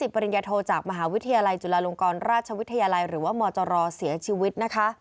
ปริญญาโทจากมหาวิทยาลัยจุฬาลงกรราชวิทยาลัยหรือว่ามจรเสียชีวิตนะคะ